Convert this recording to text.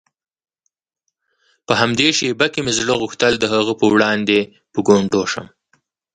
په همدې شېبه کې مې زړه غوښتل د هغه په وړاندې په ګونډو شم.